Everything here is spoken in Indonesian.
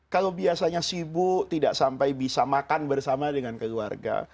kalau biasanya sibuk tidak sampai bisa makan bersama dengan keluarga